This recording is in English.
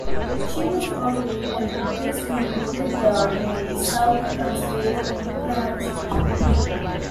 She was buried at the Gizri Graveyard near the Saudi Consulate in Karachi.